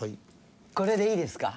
これでいいですか？